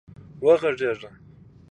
وږغېږئ